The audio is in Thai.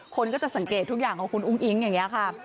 คนก็จะสังเกตทุกอย่างของคุณอุ้งอิ๊งอย่างนี้ค่ะ